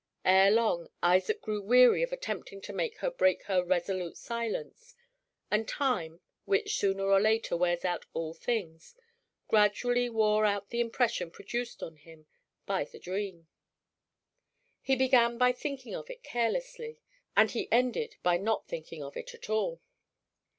Ere long Isaac grew weary of attempting to make her break her resolute silence; and time, which sooner or later wears out all things, gradually wore out the impression produced on him by the dream. He began by thinking of it carelessly, and he ended by not thinking of it at all.